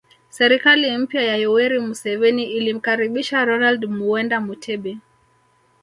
Serikali mpya ya Yoweri Museveni ilimkaribisha Ronald Muwenda Mutebi